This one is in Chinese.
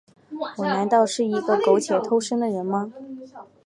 我难道是一个苟且偷生的人吗？